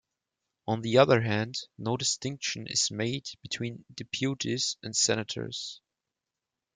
On the other hand, no distinction is made between deputies and senators.